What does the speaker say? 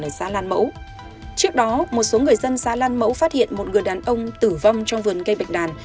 ở xã lan mẫu trước đó một số người dân xã lan mẫu phát hiện một người đàn ông tử vong trong vườn cây bạch đàn